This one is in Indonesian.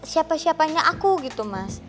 siapa siapanya aku gitu mas